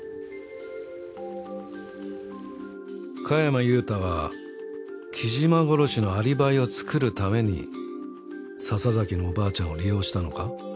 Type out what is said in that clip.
加山優太は木島殺しのアリバイを作るために笹崎のおばあちゃんを利用したのか？